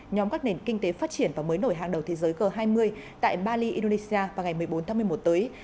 nhóm các nền kinh tế phát triển và mới nổi hàng đầu thế giới g hai mươi tại bali indonesia vào ngày một mươi bốn tháng một mươi một tới